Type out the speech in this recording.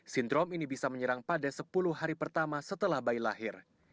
sindrom ini bisa menyerang pada sepuluh hari pertama setelah bayi lahir